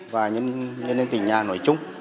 và nhân viên tỉnh nhà nổi chung